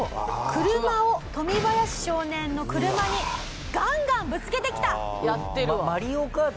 車をトミバヤシ少年の車にガンガンぶつけてきた！